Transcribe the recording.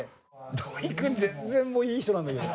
土井くん全然いい人なんだけど。